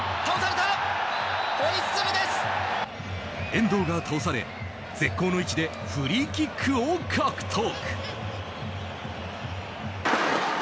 遠藤が倒され絶好の位置でフリーキックを獲得。